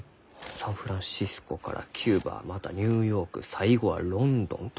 サンフランシスコからキューバまたニューヨーク最後はロンドンと。